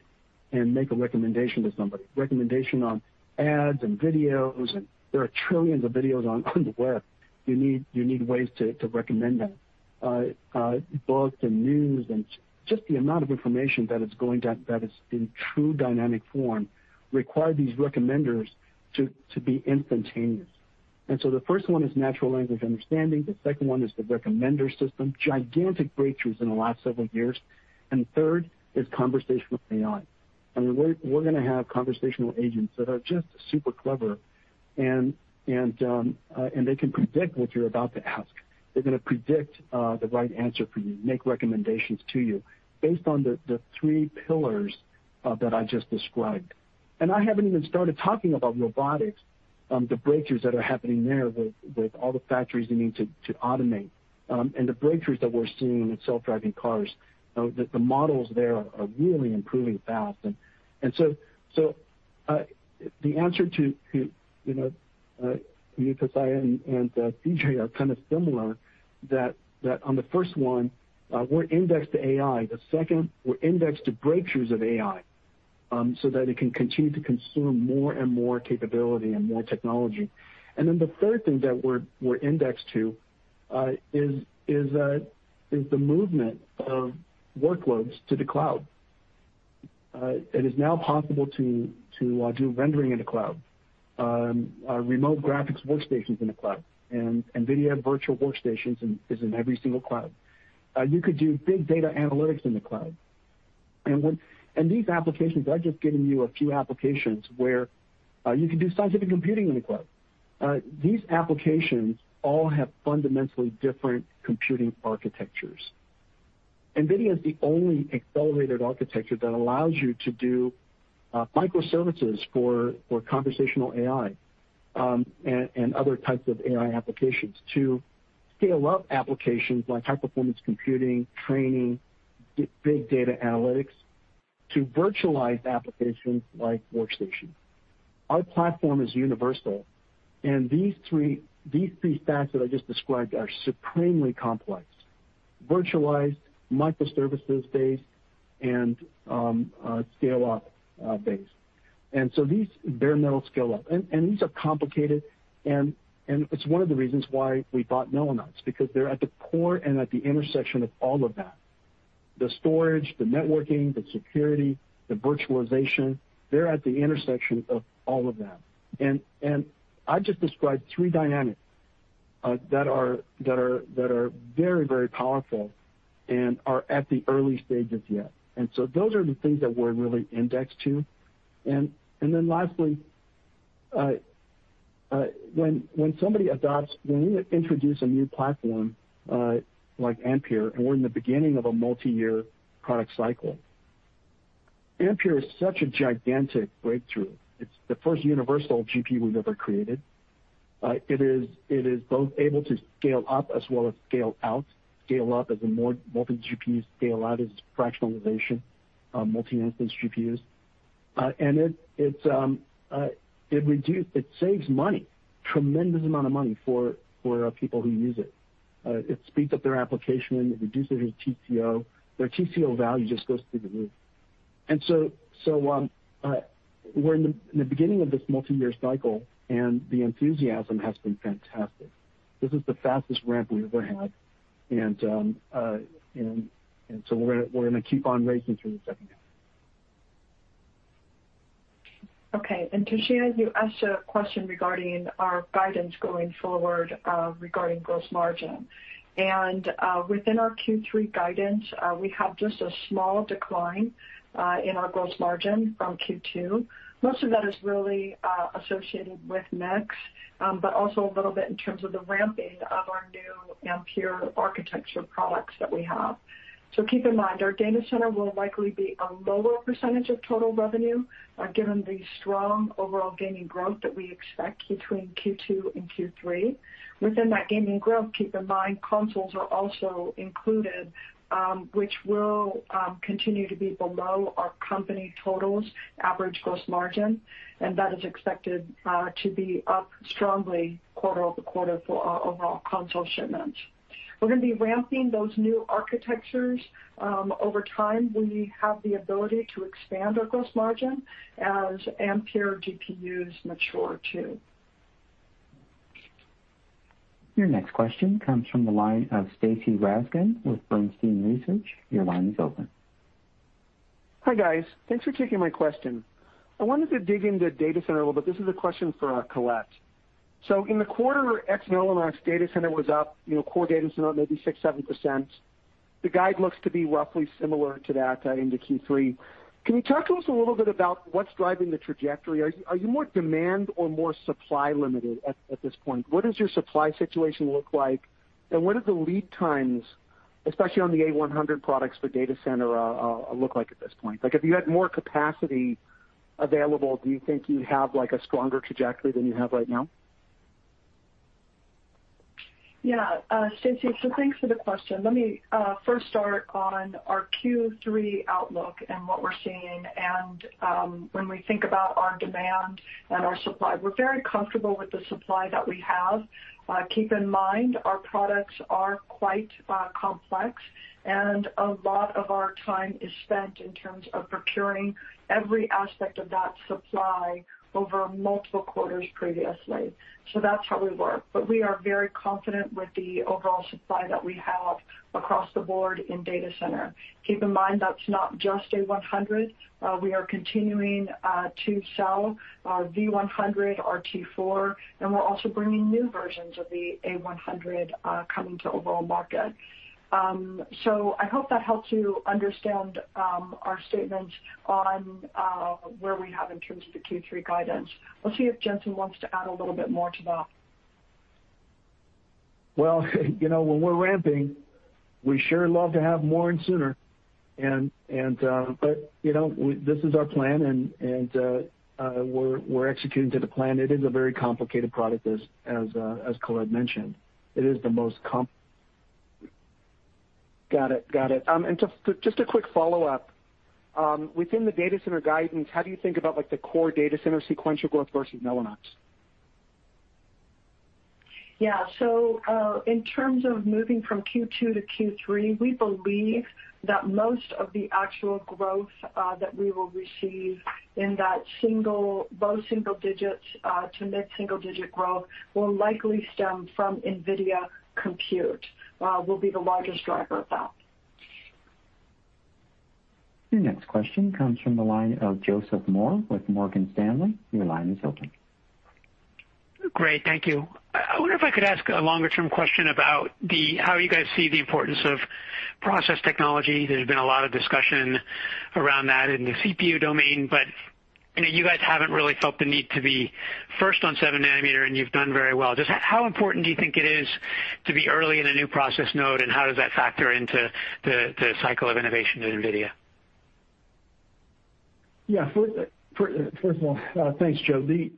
and make a recommendation to somebody. Recommendation on ads and videos, and there are trillions of videos on the web. You need ways to recommend them. Books and news and just the amount of information that is going down, that is in true dynamic form require these recommenders to be instantaneous. The first one is natural language understanding. The second one is the recommender system. Gigantic breakthroughs in the last several years. Third is conversational AI. I mean, we're gonna have conversational agents that are just super clever and they can predict what you're about to ask. They're gonna predict the right answer for you, make recommendations to you based on the three pillars that I just described. I haven't even started talking about robotics, the breakthroughs that are happening there with all the factories you need to automate, and the breakthroughs that we're seeing in self-driving cars. The models there are really improving fast. The answer to, you, Toshiya and C.J. are kind of similar that on the first one, we're indexed to AI. The second, we're indexed to breakthroughs of AI, so that it can continue to consume more and more capability and more technology. The third thing that we're indexed to is the movement of workloads to the cloud. It is now possible to do rendering in the cloud, remote graphics workstations in the cloud, and NVIDIA Virtual Workstations is in every single cloud. You could do big data analytics in the cloud. These applications, I've just given you a few applications where you can do scientific computing in the cloud. These applications all have fundamentally different computing architectures. NVIDIA is the only accelerated architecture that allows you to do microservices for conversational AI, and other types of AI applications to scale up applications like high performance computing, training, big data analytics, to virtualize applications like workstations. Our platform is universal. These three stacks that I just described are supremely complex. Virtualized, microservices-based, scale-up based. These bare metal scale up. These are complicated, and it's one of the reasons why we bought Mellanox, because they're at the core and at the intersection of all of that. The storage, the networking, the security, the virtualization, they're at the intersection of all of that. I just described three dynamics that are powerful and are at the early stages yet. Those are the things that we're really indexed to. Lastly, when we introduce a new platform, like Ampere, we're in the beginning of a multiyear product cycle. Ampere is such a gigantic breakthrough. It's the first universal GPU we've ever created. It is both able to scale up as well as scale out. Scale up as a multi-GPU scale out is fractionalization, multi-instance GPUs. It saves money, tremendous amount of money for people who use it. It speeds up their application, it reduces their TCO. Their TCO value just goes through the roof. We're in the beginning of this multiyear cycle, the enthusiasm has been fantastic. This is the fastest ramp we've ever had, and so we're gonna keep on racing through the second half. Okay. Toshiya, you asked a question regarding our guidance going forward, regarding gross margin. Within our Q3 guidance, we have just a small decline in our gross margin from Q2. Most of that is really associated with mix, but also a little bit in terms of the ramping of our new Ampere architecture products that we have. Keep in mind, our data center will likely be a lower percentage of total revenue, given the strong overall gaming growth that we expect between Q2 and Q3. Within that gaming growth, keep in mind consoles are also included, which will continue to be below our company totals average gross margin, and that is expected to be up strongly quarter-over-quarter for our overall console shipments. We're gonna be ramping those new architectures. Over time, we have the ability to expand our gross margin as Ampere GPUs mature, too. Your next question comes from the line of Stacy Rasgon with Bernstein Research. Your line is open. Hi, guys. Thanks for taking my question. I wanted to dig into data center a little bit. This is a question for Colette. In the quarter, ex Mellanox data center was up, you know, core data center maybe 6%, 7%. The guide looks to be roughly similar to that into Q3. Can you talk to us a little bit about what's driving the trajectory? Are you more demand or more supply limited at this point? What does your supply situation look like? What are the lead times, especially on the A100 products for data center look like at this point? Like, if you had more capacity available, do you think you'd have, like, a stronger trajectory than you have right now? Stacy, thanks for the question. Let me first start on our Q3 outlook and what we're seeing and when we think about our demand and our supply. We're very comfortable with the supply that we have. Keep in mind our products are quite complex and a lot of our time is spent in terms of procuring every aspect of that supply over multiple quarters previously. That's how we work. We are very confident with the overall supply that we have across the board in data center. Keep in mind that's not just A100. We are continuing to sell our V100, our T4, and we're also bringing new versions of the A100 coming to overall market. I hope that helps you understand our statement on where we have in terms of the Q3 guidance. Let's see if Jensen wants to add a little bit more to that. Well, you know, when we're ramping, we sure love to have more and sooner. you know, this is our plan we're executing to the plan. It is a very complicated product, as Colette mentioned. Got it. Got it. Just a quick follow-up. Within the data center guidance, how do you think about, like, the core data center sequential growth versus Mellanox? In terms of moving from Q2 to Q3, we believe that most of the actual growth that we will receive in that low single digits to mid-single digit growth will likely stem from NVIDIA Compute, will be the largest driver of that. Your next question comes from the line of Joseph Moore with Morgan Stanley. Your line is open. Great. Thank you. I wonder if I could ask a longer-term question about the, how you guys see the importance of process technology. There's been a lot of discussion around that in the CPU domain, but, you know, you guys haven't really felt the need to be first on 7 nm, and you've done very well. Just how important do you think it is to be early in a new process node, and how does that factor into the cycle of innovation at NVIDIA? Yeah. First of all, thanks, Joe. The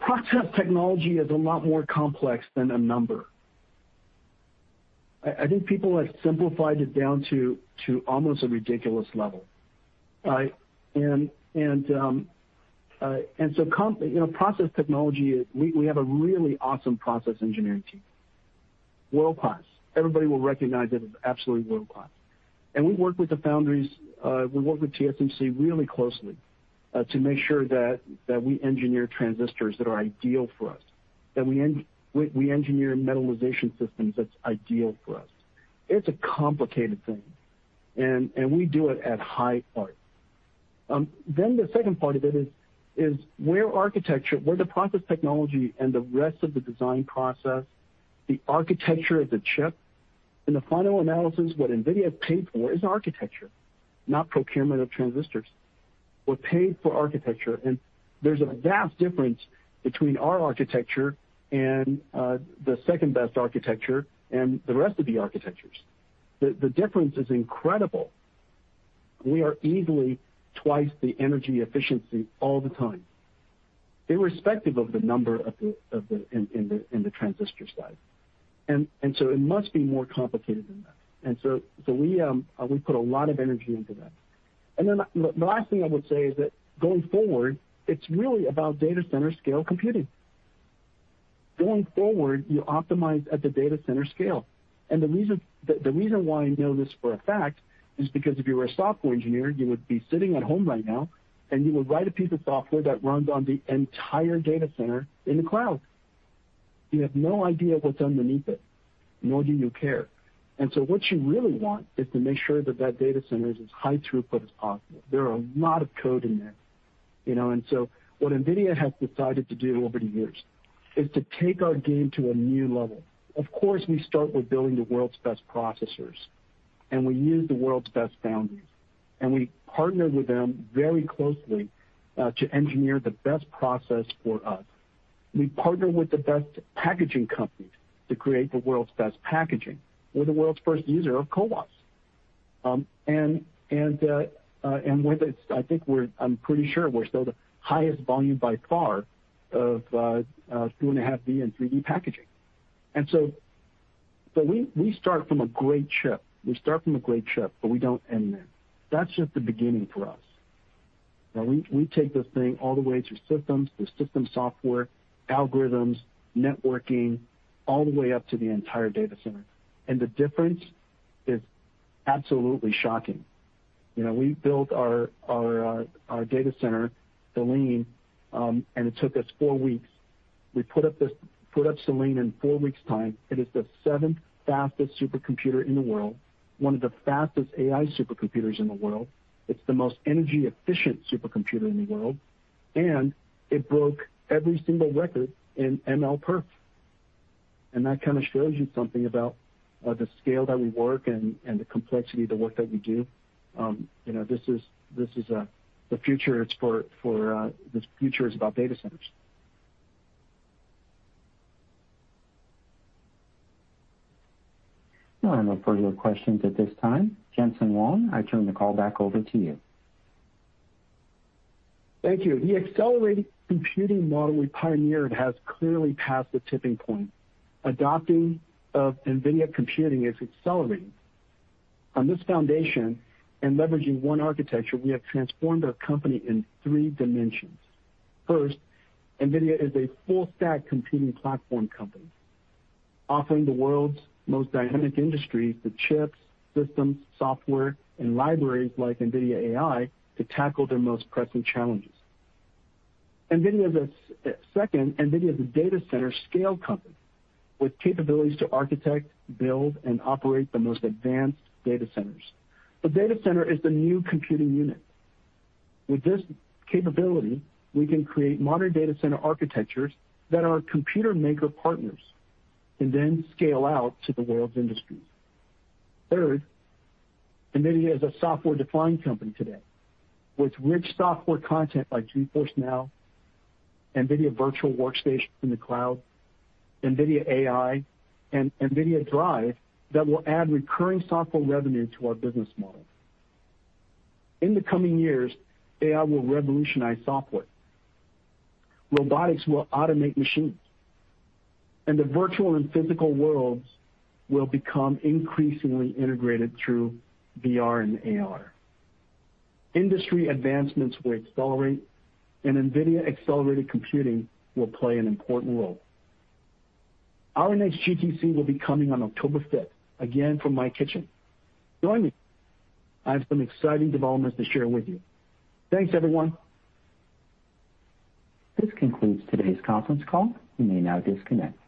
process technology is a lot more complex than a number. I think people have simplified it down to almost a ridiculous level. You know, process technology, we have a really awesome process engineering team. World-class. Everybody will recognize it as absolutely world-class. We work with the foundries, we work with TSMC really closely to make sure that we engineer transistors that are ideal for us, that we engineer metallization systems that's ideal for us. It's a complicated thing. We do it at high art. The second part of it is where architecture, where the process technology and the rest of the design process, the architecture of the chip. In the final analysis, what NVIDIA has paid for is architecture, not procurement of transistors. We paid for architecture, and there's a vast difference between our architecture and the second-best architecture and the rest of the architectures. The difference is incredible. We are easily twice the energy efficiency all the time, irrespective of the number of the transistor size. So it must be more complicated than that. So we put a lot of energy into that. The last thing I would say is that going forward, it's really about data center scale computing. Going forward, you optimize at the data center scale. The reason why I know this for a fact is because if you were a software engineer, you would be sitting at home right now, and you would write a piece of software that runs on the entire data center in the cloud. You have no idea what's underneath it, nor do you care. What you really want is to make sure that that data center is as high throughput as possible. There are a lot of code in there, you know. What NVIDIA has decided to do over the years is to take our game to a new level. Of course, we start with building the world's best processors, and we use the world's best foundries, and we partner with them very closely to engineer the best process for us. We partner with the best packaging companies to create the world's best packaging. We're the world's first user of CoWoS. I'm pretty sure we're still the highest volume by far of 2.5D and 3D packaging. We start from a great chip. We start from a great chip, but we don't end there. That's just the beginning for us. Now, we take this thing all the way through systems, the system software, algorithms, networking, all the way up to the entire data center. The difference is absolutely shocking. You know, we built our data center, Selene, it took us four weeks. We put up Selene in four weeks' time. It is the seventh fastest supercomputer in the world, one of the fastest AI supercomputers in the world. It's the most energy efficient supercomputer in the world, it broke every single record in MLPerf. That kinda shows you something about the scale that we work and the complexity of the work that we do. you know, this is the future is about data centers. There are no further questions at this time. Jensen Huang, I turn the call back over to you. Thank you. The accelerated computing model we pioneered has clearly passed the tipping point. Adoption of NVIDIA computing is accelerating. On this foundation and leveraging one architecture, we have transformed our company in three dimensions. First, NVIDIA is a full-stack computing platform company, offering the world's most dynamic industries the chips, systems, software, and libraries like NVIDIA AI to tackle their most pressing challenges. Second, NVIDIA is a data center scale company with capabilities to architect, build, and operate the most advanced data centers. The data center is the new computing unit. With this capability, we can create modern data center architectures that our computer maker partners can then scale out to the world's industries. Third, NVIDIA is a software-defined company today with rich software content like GeForce NOW, NVIDIA Virtual Workstation in the cloud, NVIDIA AI, and NVIDIA DRIVE that will add recurring software revenue to our business model. In the coming years, AI will revolutionize software. Robotics will automate machines, and the virtual and physical worlds will become increasingly integrated through VR and AR. Industry advancements will accelerate, and NVIDIA accelerated computing will play an important role. Our next GTC will be coming on October 5th, again from my kitchen. Join me. I have some exciting developments to share with you. Thanks, everyone. This concludes today's conference call. You may now disconnect.